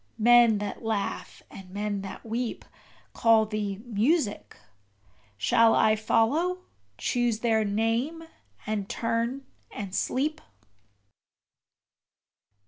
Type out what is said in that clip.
Men that laugh and men that weep Call thee Music shall I follow, choose their name, and turn and sleep?